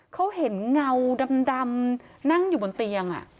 เขาเห็นเงาดำนั่งอยู่บนเตียง